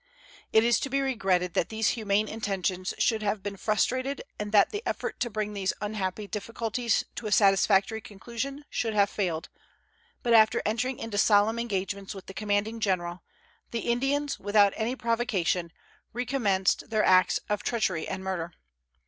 It is to be regretted that these humane intentions should have been frustrated and that the effort to bring these unhappy difficulties to a satisfactory conclusion should have failed; but after entering into solemn engagements with the commanding general, the Indians, without any provocation, recommenced their acts of treachery and murder.